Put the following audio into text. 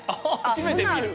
初めて見る。